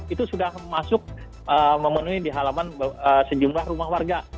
itu sudah masuk memenuhi di halaman sejumlah rumah warga